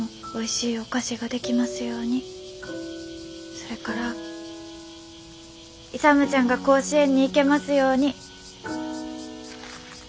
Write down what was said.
それから勇ちゃんが甲子園に行けますように。